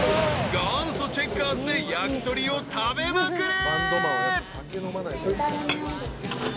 ［元祖チェッカーズで焼き鳥を食べまくれ］